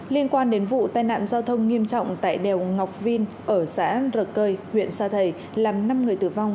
liên quan đến vụ tai nạn giao thông nghiêm trọng tại đèo ngọc vin ở xã rờ cơi huyện sa thầy làm năm người tử vong